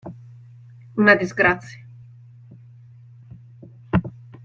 Una disgrazia.